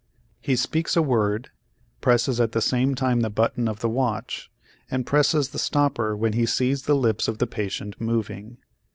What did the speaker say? He speaks a word, presses at the same time the button of the watch, and presses the stopper when he sees the lips of the patient moving.